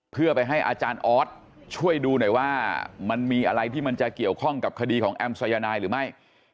เพื่อไปให้อาจารย์ออสช่วยดูหน่อยว่ามันมีอะไรที่มันจะเกี่ยวข้องกับคดีของแอมสายนายหรือไม่